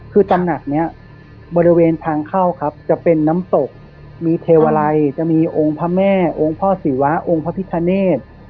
คือตำหนักนี้บริเวณทางเข้าครับจะเป็นน้ำตกมีเทวาลัยจะมีองค์พระแม่องค์พ่อศิวะองค์พระพิคเนธ